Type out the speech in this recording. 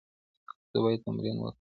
زه بايد تمرين وکړم؟